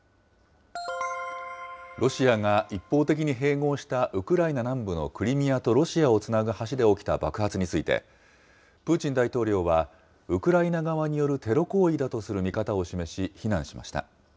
ロシアが一方的に併合したウクライナ南部のクリミアとロシアをつなぐ橋で起きた爆発について、プーチン大統領はウクライナ側によるテロ行為だとする見方を示し、非難しました。